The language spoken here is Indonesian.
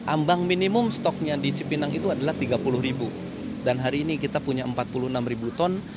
ambang minimum stoknya di cipinang itu adalah tiga puluh ribu dan hari ini kita punya empat puluh enam ribu ton